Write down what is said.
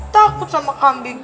takut sama kambing